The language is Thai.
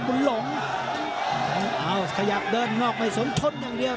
หลงเอาขยับเดินนอกไม่สนชนอย่างเดียว